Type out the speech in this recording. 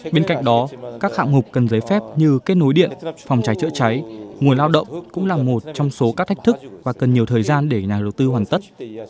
bên cạnh đó các hạng mục cần giấy phép như kết nối điện phòng cháy chữa cháy nguồn lao động cũng là một trong số các thách thức và cần nhiều thời gian để nhà đầu tư hoàn tất